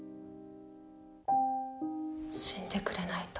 死んでくれないと。